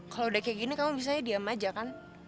kalau udah kayak gini kamu bisanya diam aja kan